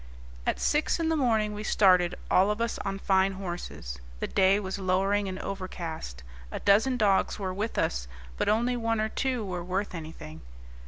At six in the morning we started, all of us on fine horses. The day was lowering and overcast. A dozen dogs were with us, but only one or two were worth anything.